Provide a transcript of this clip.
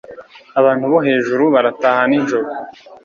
Abantu bo hejuru barataha nijoro.